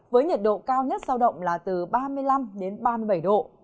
với nhiệt độ cao nhất giao động là từ ba mươi năm đến ba mươi bảy độ